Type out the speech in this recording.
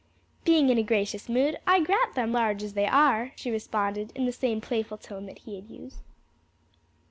"Being in a gracious mood, I grant them, large as they are," she responded, in the same playful tone that he had used.